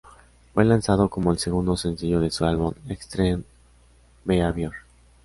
Fue lanzado como el segundo sencillo de su álbum Extreme Behavior.